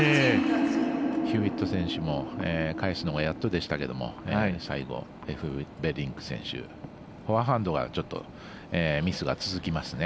ヒューウェット選手も返すのがやっとでしたけど最後、エフベリンク選手フォアハンドがちょっとミスが続きますね。